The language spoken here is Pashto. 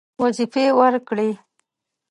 وظیفې ورکړې.